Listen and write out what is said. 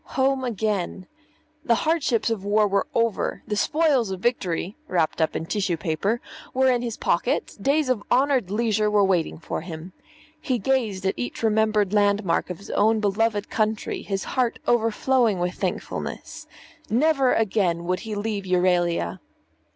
Home again! The hardships of the war were over; the spoils of victory (wrapped up in tissue paper) were in his pocket; days of honoured leisure were waiting for him. He gazed at each remembered landmark of his own beloved country, his heart overflowing with thankfulness. Never again would he leave Euralia!